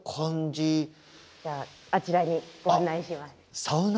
じゃああちらにご案内します。